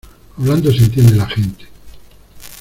Hablando se entiende la gente.